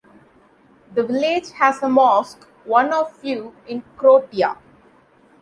The village has a mosque, one of few in Croatia.